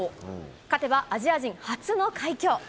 勝てばアジア人初の快挙。